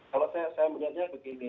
kalau saya melihatnya begini